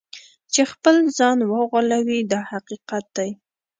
چې خپل ځان وغولوي دا حقیقت دی.